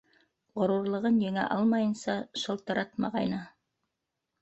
Ғорурлығын еңә алмайынса, шылтыратмағайны.